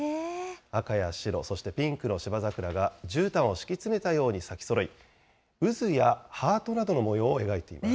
赤や白、そしてピンクのシバザクラがじゅうたんを敷き詰めたように咲きそろい、渦やハートなどの模様を描いています。